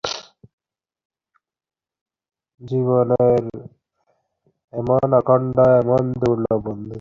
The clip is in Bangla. জীবনের এমন অখণ্ড, এমন দুর্লভ বন্ধুত্ব!